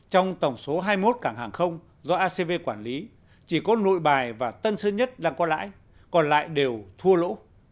trong tổng số hai mươi một cảng hàng không do acv quản lý chỉ có nội bài và tân sơn nhất đang có lãi còn lại đều thua lỗ